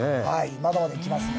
まだまだ来ますね。